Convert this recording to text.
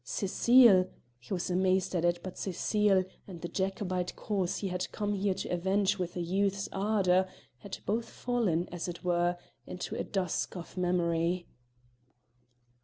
Cecile he was amazed at it, but Cecile, and the Jacobite cause he had come here to avenge with a youth's ardour, had both fallen, as it were, into a dusk of memory!